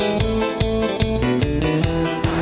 โอ๋โอ๋โอ๋โอ๋โอ๋